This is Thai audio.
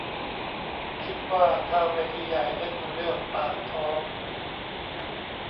คิดว่าถ้าเวทีใหญ่เล่นเรื่องปากท้อง